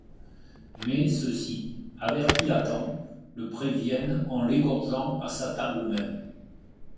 Mais ceux-ci, avertis à temps, le préviennent en l’égorgeant à sa table même.